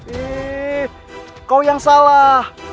ihh kau yang salah